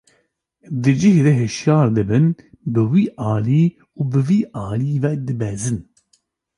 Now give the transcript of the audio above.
Di cih de hişyar dibin, bi wî alî û vî aliyî ve dibezin.